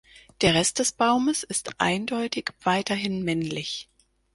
Der Rest des Baumes ist eindeutig weiterhin männlich.